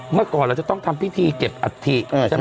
เมื่อก่อนเราจะต้องทำพิธีเก็บอัฐิใช่ไหม